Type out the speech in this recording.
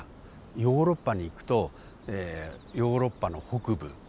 ヨーロッパにいくとヨーロッパの北部。